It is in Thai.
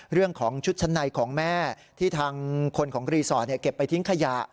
เรื่องของชุดชั้นในของแม่ที่ทางคนของรีสอร์ทเก็บไปทิ้งขยะ